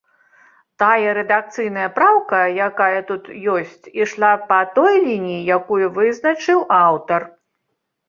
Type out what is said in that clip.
Тая рэдакцыйная праўка, якая тут ёсць, ішла па той лініі, якую вызначыў аўтар.